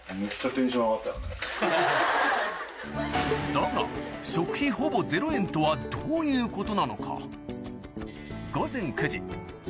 だが食費ほぼゼロ円とはどういうことなのか？